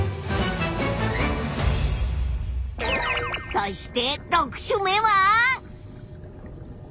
そして６種目は。